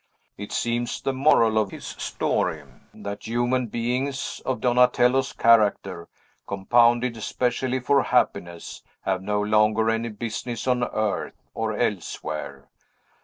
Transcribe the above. It seems the moral of his story, that human beings of Donatello's character, compounded especially for happiness, have no longer any business on earth, or elsewhere.